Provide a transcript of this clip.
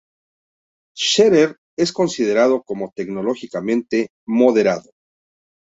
Scherer es considerado como teológicamente moderado.